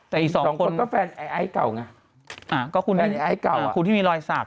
แต่อีกสองคนก็แฟนไอแล้วก่อนไงแฟนไอเก่าอะคุณที่มีรอยสัก